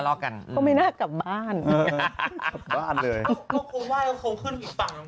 ร่ะกันก็ไม่น่ากลับบ้านเอ้อบ้านเลยก็คงว่าเขาขึ้นเอ้ย